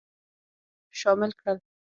شامل کړل.